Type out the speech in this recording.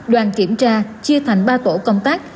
đoàn kiểm tra chia thành ba tổ công tác